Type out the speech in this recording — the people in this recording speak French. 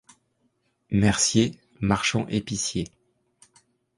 Mercier, marchand-épicier.